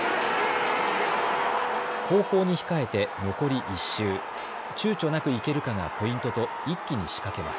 後方に控えて残り１周ちゅうちょなくいけるかがポイントと一気に仕掛けます。